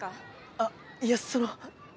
あっいやその。